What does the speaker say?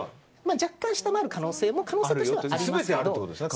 若干下回る可能性も可能性としてはありますけど。